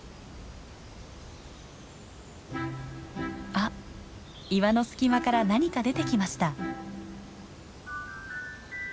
あっ岩の隙間から何か出てきました。